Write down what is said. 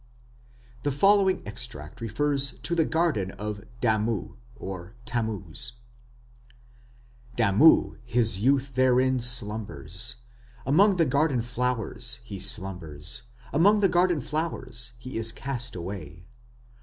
The following extract refers to the garden of Damu (Tammuz): Damu his youth therein slumbers ... Among the garden flowers he slumbers; among the garden flowers he is cast away